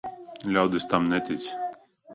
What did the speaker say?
Ļaudis tam netic.